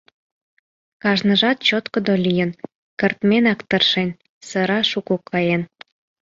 Кажныжат чоткыдо лийын, кыртменак тыршен, сыра шуко каен.